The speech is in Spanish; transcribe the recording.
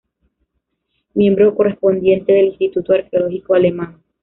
Miembro correspondiente del Instituto Arqueológico Alemán.